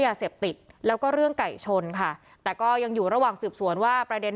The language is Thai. ยาเสพติดแล้วก็เรื่องไก่ชนค่ะแต่ก็ยังอยู่ระหว่างสืบสวนว่าประเด็น